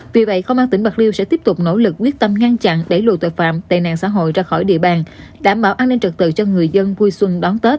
vì vậy công an tỉnh bạc liêu sẽ tiếp tục nỗ lực quyết tâm ngăn chặn đẩy lùi tội phạm tệ nạn xã hội ra khỏi địa bàn đảm bảo an ninh trật tự cho người dân vui xuân đón tết